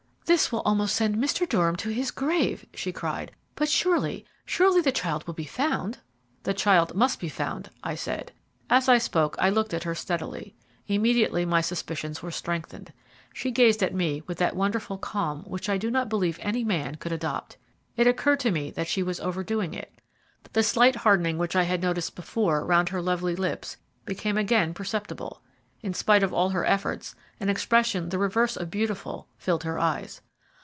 "This will almost send Mr. Durham to his grave," she cried; "but surely surely the child will be found?" "The child must be found," I said. As I spoke I looked at her steadily. Immediately my suspicions were strengthened. She gazed at me with that wonderful calm which I do not believe any man could adopt. It occurred to me that she was overdoing it. The slight hardening which I had noticed before round her lovely lips became again perceptible. In spite of all her efforts, an expression the reverse of beautiful filled her eyes.